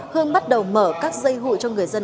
hương bắt đầu mở các dây hụi cho người dân